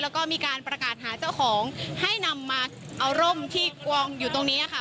แล้วก็มีการประกาศหาเจ้าของให้นำมาเอาร่มที่วางอยู่ตรงนี้ค่ะ